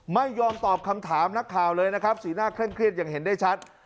ไม่ยอมตอบคำถามนักข่าวเลยนะครับสีหน้าเคร่งเครียดอย่างเห็นได้ชัด